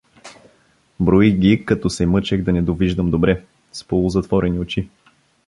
Броих ги, като се мъчех да не довиждам добре, с полузатворени очи.